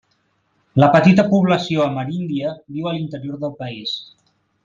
La petita població ameríndia viu a l'interior del país.